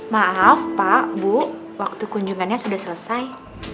maaf pak bu waktu kunjungannya sudah selesai